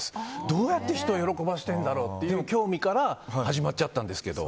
どうやって人を喜ばせようという興味から始まっちゃったんですけど。